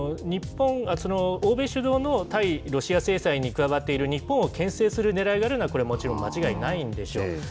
欧米主導の対ロシア制裁に加わっている日本をけん制するねらいがあるのは、これ、もちろん間違いないんでしょう。